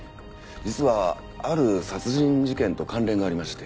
実はある殺人事件と関連がありまして。